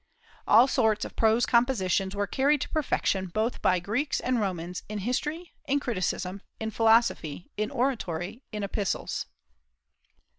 All sorts of prose compositions were carried to perfection by both Greeks and Romans, in history, in criticism, in philosophy, in oratory, in epistles.